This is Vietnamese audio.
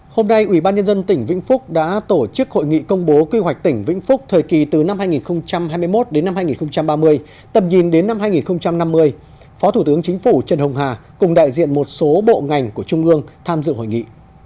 hôm nay ủy ban nhân dân tỉnh vĩnh phúc đã tổ chức hội nghị công bố quy hoạch tỉnh vĩnh phúc thời kỳ từ năm hai nghìn hai mươi một đến năm hai nghìn ba mươi tầm nhìn đến năm hai nghìn năm mươi phó thủ tướng chính phủ trần hồng hà cùng đại diện một số bộ ngành của trung ương tham dự hội nghị